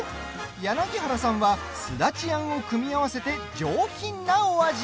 柳原さんは、すだちあんを組み合わせて上品なお味。